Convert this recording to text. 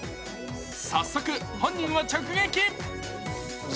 早速、本人を直撃。